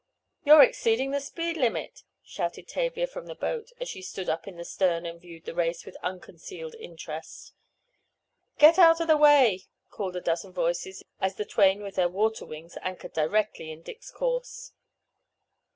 "You're exceeding the speed limit!" shouted Tavia from the boat, as she stood up in the stern and viewed the race with unconcealed interest. "Get out of the way!" called a dozen voices as the twain with their water wings anchored directly in Dick's course.